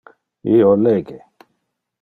Io lege.